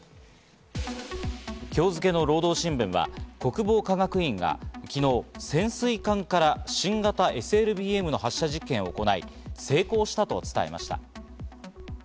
今日付の労働新聞は国防科学院が昨日、潜水艦から新型ＳＬＢＭの発射実験を行い、成功したと伝えました。